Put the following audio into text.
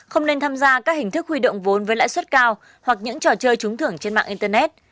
không nên tham gia các hình thức huy động vốn với lãi suất cao hoặc những trò chơi trúng thưởng trên mạng internet